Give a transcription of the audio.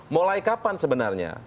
mulai kapan sebenarnya